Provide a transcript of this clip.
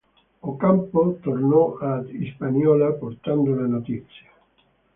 Ocampo tornò ad Hispaniola portando la notizia.